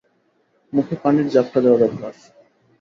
মুখে পানির ঝাপটা দেওয়া দরকার।